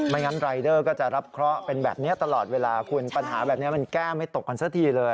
งั้นรายเดอร์ก็จะรับเคราะห์เป็นแบบนี้ตลอดเวลาคุณปัญหาแบบนี้มันแก้ไม่ตกกันซะทีเลย